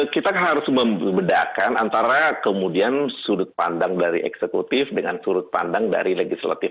kita harus membedakan antara kemudian sudut pandang dari eksekutif dengan sudut pandang dari legislatif